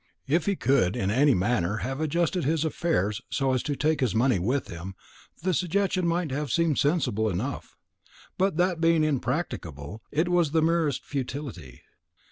If he could in any manner have adjusted his affairs so as to take his money with him, the suggestion might have seemed sensible enough; but, that being impracticable, it was the merest futility.